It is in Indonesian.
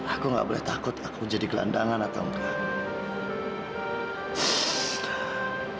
aku gak boleh takut aku jadi gelandangan atau enggak